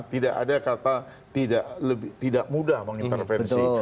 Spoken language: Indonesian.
tidak ada kata tidak mudah mengintervensi